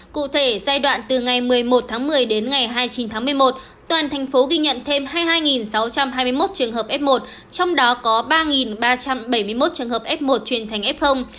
cụ thể giai đoạn từ ngày một mươi một tháng một mươi đến ngày hai mươi chín tháng một mươi một toàn thành phố ghi nhận thêm hai mươi hai sáu trăm hai mươi một trường hợp f một trong đó có ba ba trăm bảy mươi một trường hợp f một truyền thành f